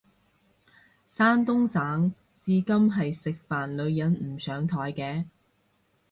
山東省至今係食飯女人唔上枱嘅